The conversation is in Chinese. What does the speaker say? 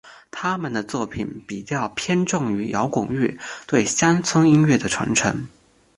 他们的作品比较偏重于摇滚乐对乡村音乐的传承。